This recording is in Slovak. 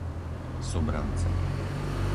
Sobrance